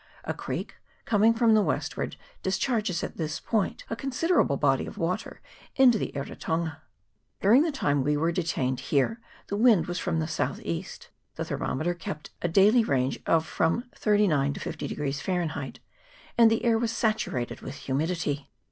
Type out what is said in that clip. A creek coming from the westward discharges at this point a con siderable body of water into the Eritonga. During the time we were detained here the wind was from the south east ; the thermometer kept a daily range from 39 to 50 Fahrenheit, and the air was saturated with humidity.